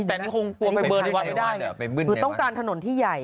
แต่มันคงปวดไปเบิร์นที่วันไม่ได้อ่ะไปมึ่นในวัดคือต้องการถนนที่ใหญ่